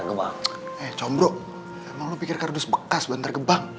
gemang combro mau pikir kardus bekas bantar gebang